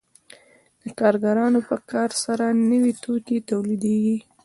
د کارګرانو په کار سره نوي توکي تولیدېږي